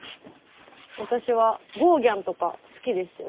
私はゴーギャンとか好きですよ。